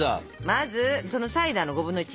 まずそのサイダーの５分の１。